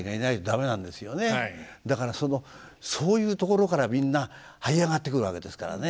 だからそのそういうところからみんなはい上がってくるわけですからね。